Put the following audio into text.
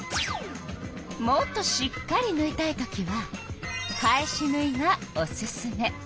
もっとしっかりぬいたいときは返しぬいがおすすめ。